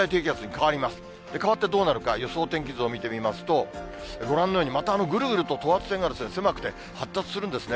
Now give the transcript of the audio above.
変わってどうなるか、予想天気図を見てみますと、ご覧のようにまたぐるぐると等圧線が狭くて、発達するんですね。